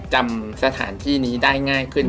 จำสถานที่นี้ได้ง่ายขึ้น